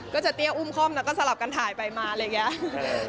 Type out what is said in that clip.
เตี้ยอุ้มคล่อมแล้วก็สลับกันถ่ายไปมาอะไรอย่างนี้